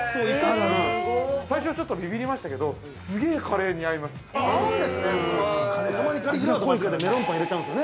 ◆最初ちょっとびびりましたけどすげえカレーに合います。